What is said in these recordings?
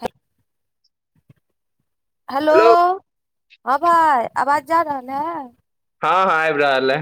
ह हेलो हँ भाइ आवाज जा रहल है हँ हँ आइब रहल है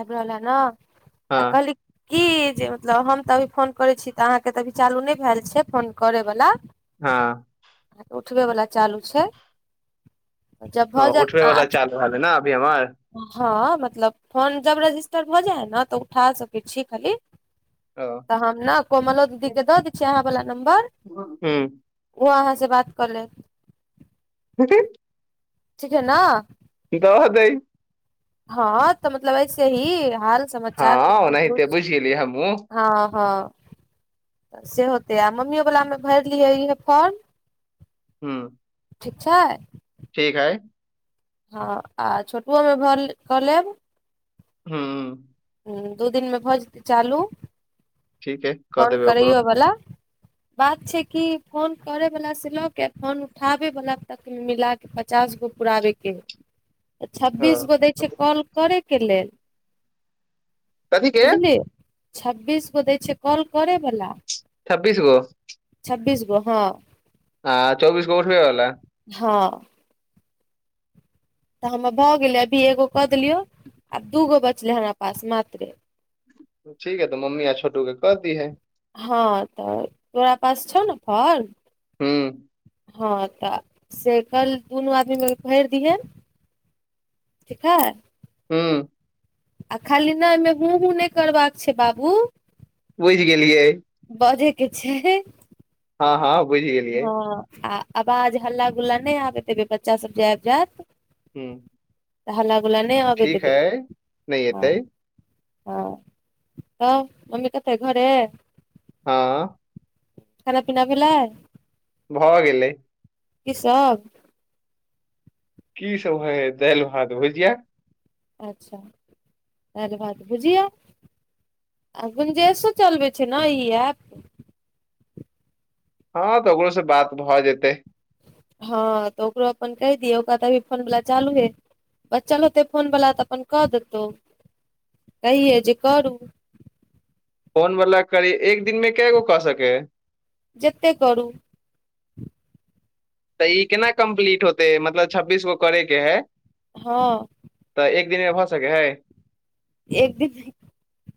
आइब रहल है न आ हँ कहली की जे मतलब हम तऽ अभी फोन करैत छी तऽ अहाँके तऽ अभी चालू नहि भ भैल छै फोन करयवला हँ त उठबै बाला चालू छै जब ह भऽ उठबे जायत आ वला चालू हबे ने अभी हमर हँ मतलब फोन जब रजिस्टर भऽ जाय है ने तऽ उठा सकै छी खाली हूँ तऽ हम ने कोमलो दीदीके दऽ दै छियै अहाँवला नम्बर ओ अहाँ से बात कऽ लेत [inaudible] ठीके ना द दै हँ तऽ मतलब ऐसे ही हाल समाचार कुछ हँ ने ओनाहिते कुछ बुझि गेलियै हमहूँ हँ हँ से होतै आ मम्मीयो वला मे भर लिये इहे फोर्म हूँ ठीक छै ठीक हय हँ आ छोटुओमे भर कऽ लेब हूँ ह्म दू दिनमे भऽ जेतै चालू ठीक है कऽ फोन देबै ओकरो करैयो वला बात छै की फोन करे वाला से लो के फोन उठाबे वाला तक मिला पचास गो पुराबेके हे तऽ छब्बीस हँ गो दै छै कॉल करैके लेल कथी के बुझलि छबीस गो दै छै काॅल करे बला छब्बीस गो छब्बीस गो हँ आ चौबिस गो उठबे वला हँ तऽ हमर भऽ गेलै अच्छा अभी एगो कऽ देलियो आ दूगो बचले हमरा पास मात्र ठीक है तो मम्मी आ छोटू के क दिहे हँ तऽ तोरा पास छौ ने फोर्म हूँ हँ तऽ से कल दुनू आदमी मे भरि दियहे ठीक हय हूँ आ खाली नइ ओमे हूँ हूँ नहि करबाक छै बाबू बुझि गेलियै बजे के छैय हँ हँ बुझि गेलियै आ आवाज हल्ला गुल्ला नहि आबे देबे बच्चा सब जे आबि जायत हूँ त हल्ला गुल्ला नहि अबै ठीक है देबै नहि हँ एतै हँ त मम्मी कत अय घरे हँ खाना पीना भैलय भऽ गेलै की सब की सब हय हे दालि भात भुजिया अच्छा दालि भात भुजिया आ गुंजेशो चलबे छै ने ई ऐप हँ तऽ ओकरो से बात भऽ जेतै हँ तऽ ओकरो अपन कहि दियौ ओकरा तऽभी फोन वला चालू हे बच्चल होते फोन वला तऽ अपन कऽ देतौ कहिये जे करू फोन वला करी एक दिन में के गो क सकै है जेते करू तऽ ई केना कम्प्लीट होतेै मतलब छब्बीस गो करेके है हँ तऽ एक दिन मे भऽ सकै हय एक दिन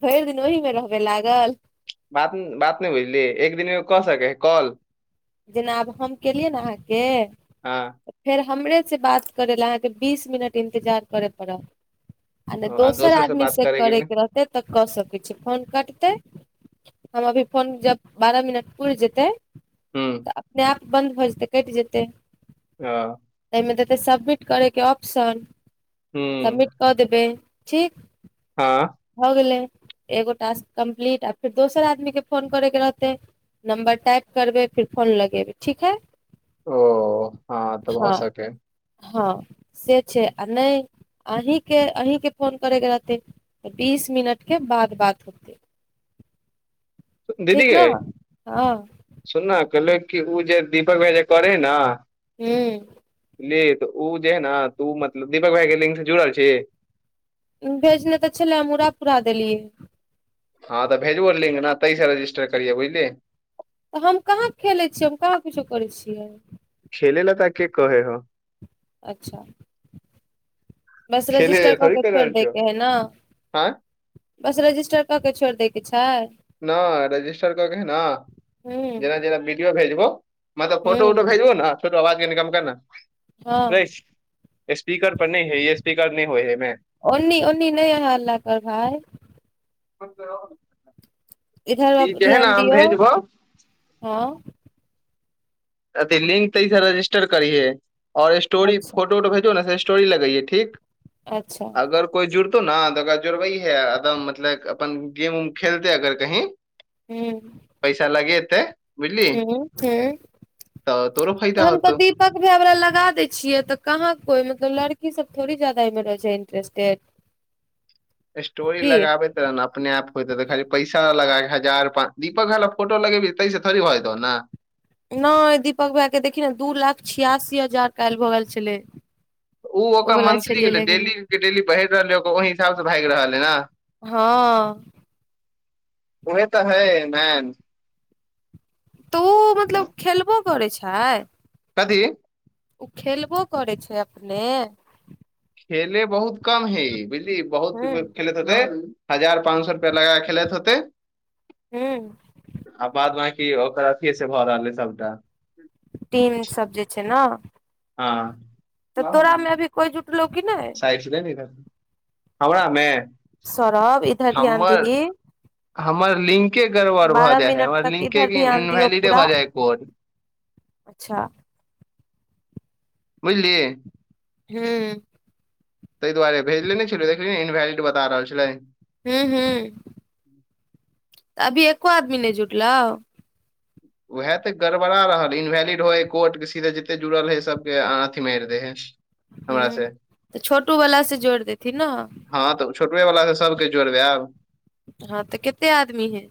भरि दिन ओहिमे रहबे लागल बात बात नहि बुझली एक दिनमे कऽ सकेै है कॉल जेना आब हम केलियै ने अहाँके हँ फेर हमरे से बात करै लए अहाँके बीस मिनट इन्तजार करय पड़त आ नइ दोसर आदमी बात से करे के लेल करयके रहतै तऽ कऽ सकैत छी फोन कटतै हम अभी फोन जब बारह मिनट पुर जेतै हूं तऽ अपने आप बन्द भऽ जेतै कटि जेतै। ह त एहिमे देतै सबमिट करयके ऑप्शन हूं सबमिट कऽ देबै ठीक। हँ भऽ गेलै एगो टास्क कम्प्लीट आ फेर दोसर आदमीकेँ फोन करयके रहतै। नम्बर टाइप करबै फिर फोन लगेबै ठीक है। ओ ह तऽ भ हँ सकैया। हँ से छैय आ नहि अहींके अहींके फोन करेके रहतै त बीस मिनट के बाद बात होतै। त दीदी ठीक न गैय हँ सुनना कहलो कि ओ जे दीपक भैया जे करय हय न हू बलीही तऽ ऊ जे हय ने त मतलब दीपक भाई के ललिंक से जुड़ल छीही? भेजने तऽ छलै हम उरा पूरा देलियै। हँ तऽ भेजबव लिंक ने तैसे रजिस्टर करियए बुझली। हम कहाँ खेलै छियै हम कहाँ कुछो करै छियै। खेले ल तोरा के कहैे हव। अच्छा बस खेले रजिस्टर ले कऽ थोड़ी के कहि छोड़ि रहल छियौ दयके हय ने? आँय बस रजिस्टर कऽ के छोरि दय के छैय? नय रजिस्टर कके ने हूँ जेना जेना विडियो भेजबव मतलब फोटो उटो हूँ भेजबव ने छोट आवाज के कम करना। है एमे ओनी ओनी नहि हल्ला कर भाय। [inaudible] [unintelligible] इधर ई ब जे है ने ध्यान हम दियऔ भेजबो हँ। अथी लिंक त रजिस्टर करिहे और स्टोरी अच्छा फोटो वोटोे जे भेजबौ ने से एस स्टोरी लगइहे ठीक अच्छा अगर कोइ जुड़तौ न ने तऽ ओकरा जुड़बै हेदम मतलब अपन गेम उम खेलते अगर कही हू पैसा लगेतै बुझली हूँ हूँ तऽ तोरो फायदा होतौ। [unintelligible] लगा दै छियै तऽ कहाँ कोइ मतलब लड़की सब थोड़ी जादा एहि मे रहय छैय इंटरेस्टेड। [inaudible] स्टोरी की लगाबे ने अपने आप होतै तऽ खाली पैसा लगा हजार पान दीपक हाल फोटो लगाएबिहि तैस थड़ी होयतौ ओना। नहि दीपक भैयाके देखी ने दू लाख छियासी हजार काल्हि भऽ गेल छलै। उ ओ ओकर वला मंथली छलियै गेल हेतै लेकिन डेलीके डेली पहिरि रहलै ओकर ओहि हिसाबसँ भागि रहल हय ने। हँ उहे तऽ हय मेन। तऽ ओ मतलब खेलबो करै छैय? कथी? ओ खेलबो करैत छैय अपने? खेेल बहुत कम हइ ई बुझलीही बहुत हूँ [unintelligible] होत हजार पाँंच सए रुपआ लगाक खेलैत होतय हू आ बाद बकी ओकर अथिये से भऽ रहल हय सबटा। टीमें सब जे छैय ने? हँ तऽ हमरा तोरा मे अभी कोइ जुटलौ कि नहि में? सौरब इधर ध्यान देंगे। हमर लिंके गड़बड़ भऽ बारह जाइ हय मिनट हमर तक लिंके इधर ध्यान दियौ इनवैलिडे पूरा भऽ जाइ हय कोड। अच्छा बुझलि? हूँ ताहि दुआरे भेजले नहि छलियै देखलिही ने इनवैलिड बता रहल छलै। हूं हूं अभी एको आदमी नहि जुटलव? उएह तऽ गड़बड़ा रहल इनवैलिड होइ हय कोड के सीधे जते जुड़ल है सबके अथी मारि दै हई। हू तऽ छोटू वला से जोड़ देथि ने। हँ तऽ छोटूवे वालासे सबके जोरबय आब। हँ तऽ केते आदमी हय?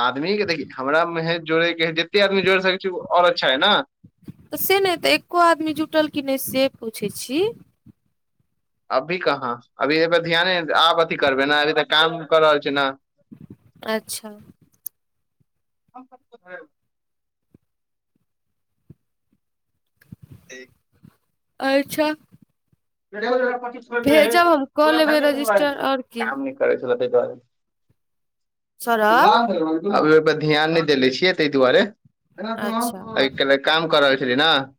आदमीे देखिय हमरामे हे जोड़ेके है जते आदमी जोड़ि सकैत छी ओ ओर अच्छा है ना। तऽ से नहि तऽ एक्को आदमी जुटल की नहि से पूछैत छी। अभी कहाँ अभी एहि पर ध्यान आब अथी करबे ने अभी तऽ काम कर रहल छी ने। अच्छा [unintelligible] ठीक अच्छा [unintelligible] [unintelligible] अभी भेजब हम कऽ लेबै रजिस्टर आओर की सौरभ ओहिपर ध्यान नहि देले छियै ताहि दुआरे। अच्छा केला काम कर रहल छली न।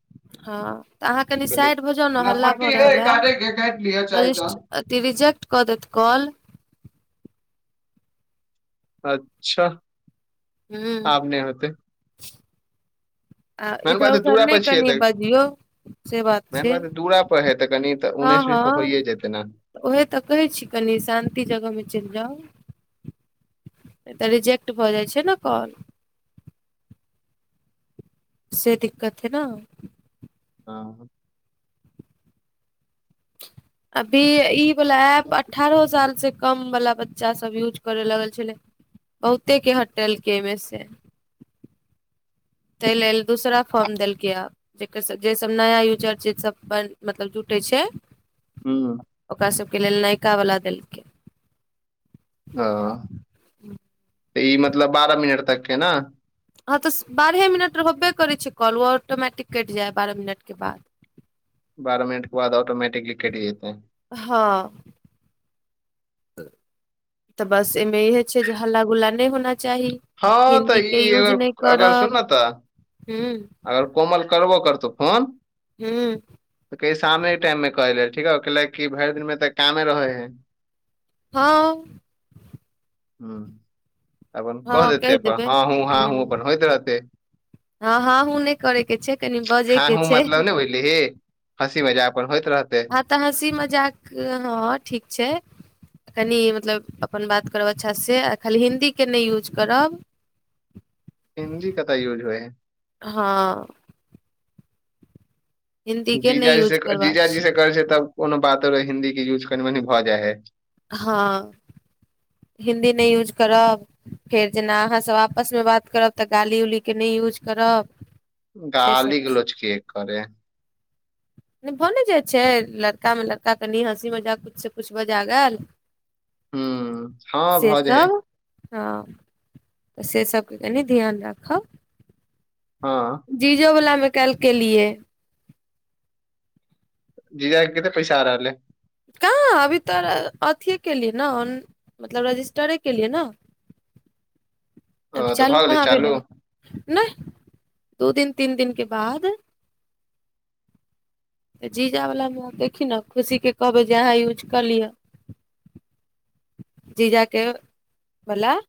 हँ तऽ अहाँ कनि साइड भऽ जाउ ने हल्ला भऽ पट्टी रहल हइ या। काटे के काटि लिअ चाही तऽ त रिजेक्ट कऽ देत कॉल। अच्छा हूं आब नहि होतय। आ मेन इधर बात उधर दूरा नहि पर छियै कनि तऽ बजियौ। से मेन छै बात हय दूरा पर हे तऽ कनि तऽ उन्नैस बीस तऽ होइए जेतै ने। तऽ उहे तऽ कहै छी कनि शान्ति जगह मे चलि जाउ। तऽ रिजेक्ट भऽ जाइ छैय ने कॉल। से दिक्कत हय न। ह [unintelligible] अभी ई वाला एप अठारहो साल से कम वाला बच्चा सब यूज करय लागल छलै। बहुते के हटेलकै एहिमे से। ताहि लेल दूसरा फॉर्म देलकै। जे सब नया यूजर छैय सबप मतलब जुटै छैय हू ओकरा सबके लेल नयका वला देलकै। ओ तऽ ई मतलब बारह मिनट तकके न? हँ तऽ बारहे मिनट रह होबे कर छै कॉल ओ ऑटोमटिक कटि जाय बारह मिनट के बाद। बारह मिनट के बाद ऑटोमैटिकली कटि जेतै। हँ तऽ बस एहिमे इहे छैय जे हल्ला गुल्ला नहि होना च चाही हँ हिन्दी तऽ के ई यूज अगर नहि अगर सुन करब ने तऽ हूं। अगर कोमल करबो करतौ फोन हूँ तऽ कहीयही शामे के टाइम मे कै ले ठीक हय कलि कि भरि दिन तऽ कामे रहे हय। हँ हूं अपन क हँ कहि देतै अपन देबै हँ हूं हँ हूं अपन होइत रहतै। हँ हँ हू नहि करे के छै कनि बजे हँ के हूँ छै मतलब नहि बुझली हे हँसी मजा अपन होइत रहतेै आतऽ हँसी मजाक हँ ठीक छै कनि मतलब अपन बात करब अच्छासे आ खाली हिन्दीके नहि यूज करब [inaudible] हिन्दी कतय यूज होइ हई हँ हिन्दी के नहि जीजाजी यूज से करबाक जीजाजी से करै छै तब कोनो बातो हिन्दी के यूज कनि मनी भऽ जाइ हइ हँ हिन्दी नहि यूज करब फेर जेना अहाँसभ आपसमे बात करब तऽ गाली उलीके नहि यूज करब से गाली सब गलोज के करे नइ भऽ नइ जाइ छै लड़कामे लड़का कनि हँसी मजा कछु सँ कछु बजा गेल हूँ हाँ से भऽ जाइ है सब हँ तऽ से सबके कनि ध्यान राखब हँ जीजो वला मे काल्हि केलियए जीजा कऽ कतेक पैसा आ रहलै कहाँ अभी तऽ अथिए केलियै न मतलब रजिस्टरे केलियै न अभि ओ तऽ चालू भऽ गेलै कहाँ भेलै चालू हूँ नहि दू दिन तीन दिन के बाद तऽ जीजा वलामे देखी ने खुशीके कहबै जे अहाँ यूज कऽ लिअ जीजा के बला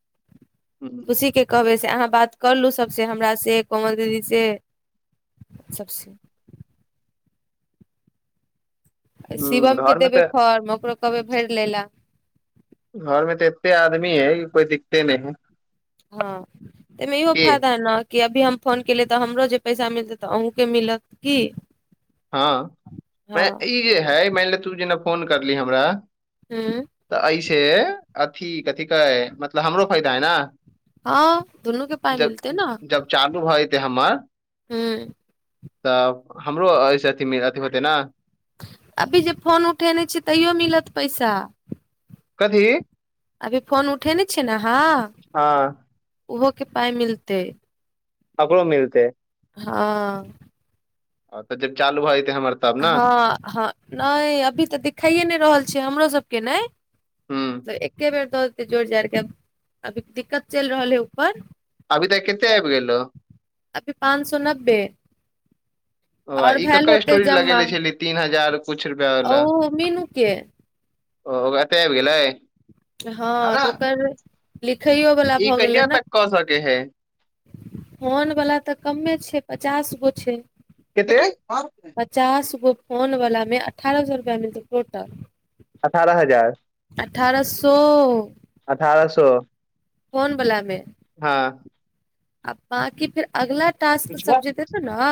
खुशी के कहबै से अहाँ बात कर लू सबसे हमरास से कोमल दीदी से सबसे हूँ शिवम के घर मे तऽ देबे फर्म ओकरो कहबै भरि ले लए घर मे तऽ एते आदमी हइ कोइ दिक्ते नइ हइ हँ तमे इहो फायदा नऽ कि अभी हम फोन केलियै तऽ हमरो जे पैसा मिलतै तऽ अहुँके मिलत की हँ हँ मे ई जे है मान ले तू जेना फोन करलीह हमरा हुँ तऽ ऐसे अथी कथी कहै मतलब हमरो फायदा हइ नऽ हँ दुनू के पाइ जब मिलतै ने जब चालू भऽ जेतै हमर ह तऽ हमरो एहिसँ अथि अथि होतै नऽ अभी जे फोन उठेने छियै तैयो मिलत पैसा कथी अभी फोन उठेने छियै न आहाँ हँ उहोके पाई मिलतै अकड़ो मिलतै हँ तऽ जब चालू भऽ जेतै हमर तब ने हँ हँ नहि अभी तऽ देखाइए नहि रहल छै हमरो सबके नै हूँ तऽ एके बेर दऽ देतै जोड़ जाड़ि के अभी दिक्कत चलि रहल है ऊपर अभी तऽ केते आबि गेलो अभी पाँच सौ नब्बे ओ और ई भेल ककर होते स्टोरी जमा लगेेले छलही तीन हजार कुछ रुपया ओ वाला मीनू के ओ एतय आबि गेलै हँ अरे तऽ ओकर लिखैयौ वला ई भऽ गेलै कहिया ना तक कऽ सकै है फोन वला तऽ कमे छै पचास गो छै केते पचास गो फोनवलामे अठारह सए रुपैआ मिलतै टोटल। अठारह हजार? अठारह सौ। अठारह सौ। फोन वलामे। हँ आ बांकी फेर अगला टास्क सब जे देत न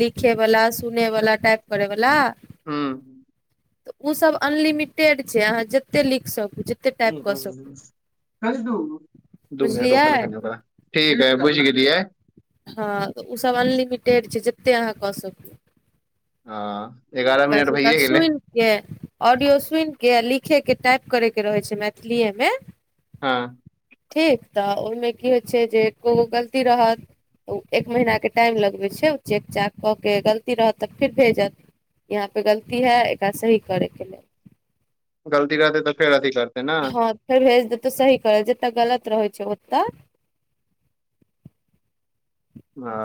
लिखे वला सुने वला टाइप करै वला हूँ तऽ उसभ अनलिमिटेड छैय अहाँ जतेक लिख सकू जते टाइप कऽ सकू बुझलियै [unintelligible] ठीक हय दाय बुझ गेलियै। हँ ओसभ अनलिमिटेड छैय जतेक अहाँ कऽ सकू। हां बस ओकरा सुनि के ऑडियो सुनि के आ लिखे के टाईप करे के रहै छैय मैथिलीए मे। हँ ठीक तऽ ओहिमे की होइ छैय जे एक्कोगो गलती रहत ओ एक महिना के टाईम लगबै छैय चेक चाक क के गलती रहत तब फेर भेजत यहाँ पे गलती है एकरा सही करे के ले गलती रहतै तऽ फेर अथी कर हँ फेर भेज देतौ सही करत जत गलत रहैत छैय ओतऽ।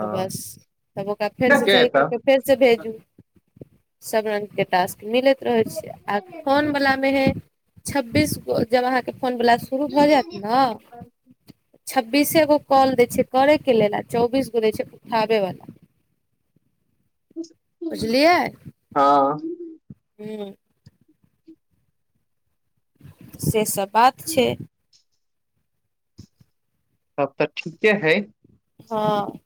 तऽ बस तब ओक फेर से ठीके है सही क क तब फेर से भेजू सब रंग के टास्क। मिलैत रहैत छैय आ फोन वला मे हय छब्बीस गो जब अहाँके फोन वला शुरू भ जेत ने छब्बीसेगो काॅल दै छैय करे के लेल आ चौबीस गो छैय उठाबे बला बुझलियै? हँ हूँ से सब बात छैय। तब तऽ ठीके हय। हँ